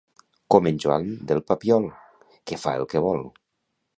Com en Joan del Papiol, que fa el que vol.